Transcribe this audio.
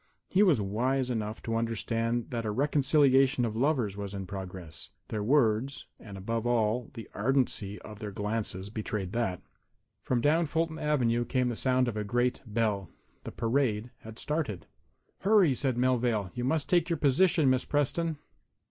He was wise enough to understand that a reconciliation of lovers was in progress. Their words, and, above all, the ardency of their glances betrayed that. From down Fulton avenue came the sound of a great bell. The parade had started. "Hurry," said Melvale, "you must take your position, Miss Preston."